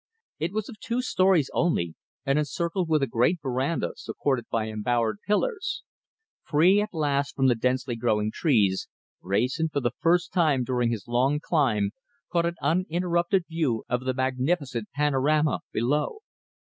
It was of two stories only, and encircled with a great veranda supported by embowered pillars. Free at last from the densely growing trees, Wrayson, for the first time during his long climb, caught an uninterrupted view of the magnificent panorama below.